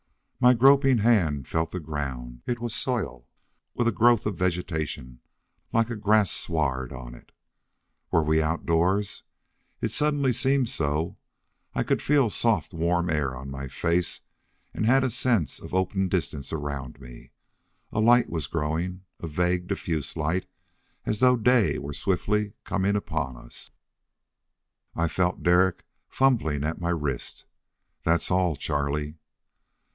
My groping hand felt the ground. It was soil, with a growth of vegetation like a grass sward on it. Were we outdoors? It suddenly seemed so. I could feel soft, warm air on my face and had a sense of open distance around me. A light was growing, a vague, diffused light, as though day were swiftly coming upon us. I felt Derek fumbling at my wrist. "That's all, Charlie."